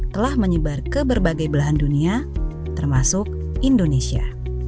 telah menyebar ke berbagai belahan dunia termasuk indonesia